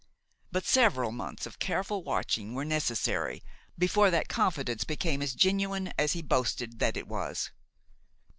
But several months of careful watching were necessary before that confidence became as genuine as he boasted that it was.